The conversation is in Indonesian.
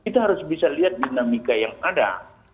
kita harus bisa lihat dinamika yang ada